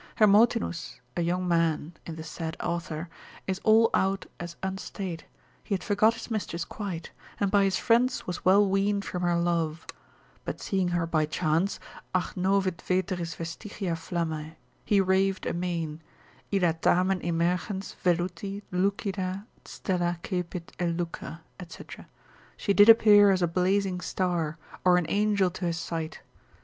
Hermotinus, a young man (in the said author) is all out as unstaid, he had forgot his mistress quite, and by his friends was well weaned from her love; but seeing her by chance, agnovit veteris vestigia flammae, he raved amain, Illa tamen emergens veluti lucida stella cepit elucere, &c., she did appear as a blazing star, or an angel to his sight.